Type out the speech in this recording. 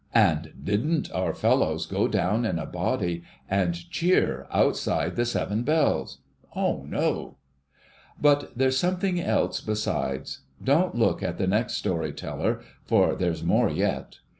And didn't our fellows go down in a body and cheer outside the Seven Bells ? O no ! But there's something else besides. Don't look at the next story teller, for there's more yet.